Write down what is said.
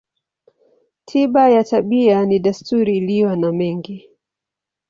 Tiba ya tabia ni desturi iliyo na mengi.